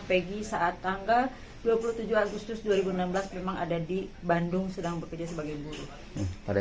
pagi saat tanggal dua puluh tujuh agustus dua ribu enam belas memang ada di bandung sedang bekerja sebagai buruh pada